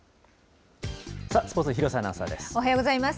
スポーツは廣瀬アナウンサーです。